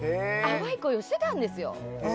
淡い恋をしてたんですよ。